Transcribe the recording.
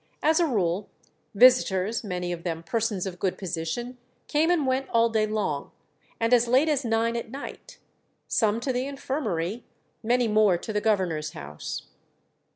As a rule, visitors, many of them persons of good position, came and went all day long, and as late as nine at night; some to the infirmary, many more to the governor's house.